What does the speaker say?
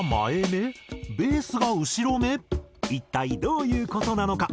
一体どういう事なのか？